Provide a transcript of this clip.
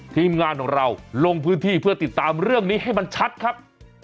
ทีมงานของเราลงพื้นที่เพื่อติดตามเรื่องนี้ให้มันชัดครับ